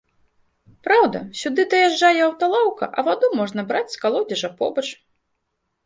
Праўда, сюды даязджае аўталаўка, а ваду можна браць з калодзежа побач.